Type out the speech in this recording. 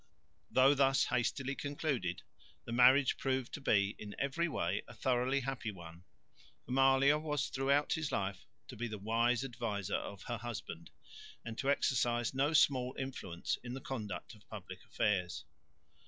Though thus hastily concluded, the marriage proved to be in every way a thoroughly happy one. Amalia was throughout his life to be the wise adviser of her husband and to exercise no small influence in the conduct of public affairs.